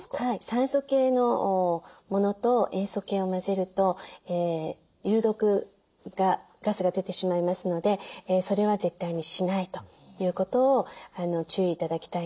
酸性系のものと塩素系を混ぜると有毒ガスが出てしまいますのでそれは絶対にしないということを注意頂きたいなと思います。